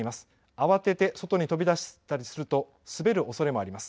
慌てて外に飛び出したりすると、滑るおそれもあります。